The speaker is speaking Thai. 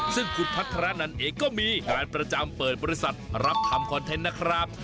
ซึ่งคุณพัฒนันเองก็มีการประจำเปิดบริษัทรับทำคอนเทนต์นะครับ